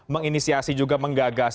menginisiasi juga menggagas